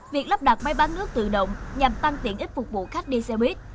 việc lắp đặt máy bán nước tự động nhằm tăng tiện ích phục vụ khách đi xe buýt